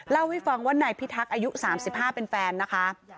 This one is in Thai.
เล่าให้ฟังว่านายพิทักษ์อายุ๓๕เป็นแฟนนะคะ